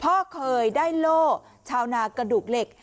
พ่อเคยได้โล่ชาวนากระดูกเหล็ก